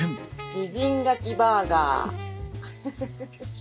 美人牡蠣バーガー！